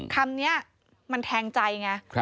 คำนี้มันแทงใจไง